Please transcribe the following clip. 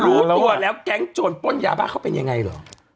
รู้ตัวแล้วแก๊งโจรป้นยาบ้าเขาเป็นยังไงเหรอ